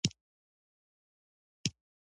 احمد دوی له يوې مخې تللي دي.